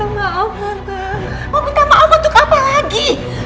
mau minta maaf untuk apa lagi